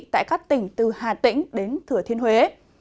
tại các tỉnh từ hà tĩnh đến thừa thiên huế